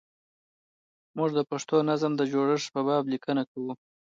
موږ د پښتو نظم د جوړښت په باب لیکنه کوو.